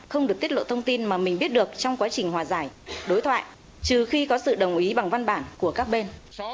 không được tiết lộ thông tin mà mình biết được trong quá trình hòa giải đối thoại trừ khi có sự đồng ý bằng văn bản của các bên